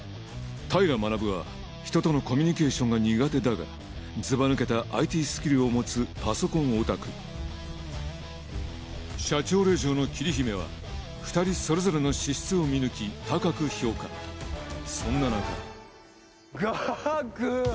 平学は人とのコミュニケーションが苦手だがずばぬけたＩＴスキルを持つパソコンオタク社長令嬢の桐姫は二人それぞれの資質を見抜き高く評価そんな中ガク！